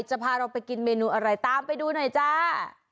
จะพาเราไปกินเมนูอะไรตามไปดูหน่อยจ้า